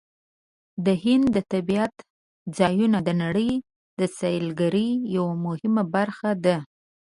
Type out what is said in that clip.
د هند د طبیعت ځایونه د نړۍ د سیلګرۍ یوه مهمه برخه ده.